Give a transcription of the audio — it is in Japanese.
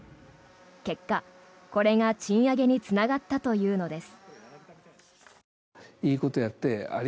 結果、これが賃上げにつながったというのです。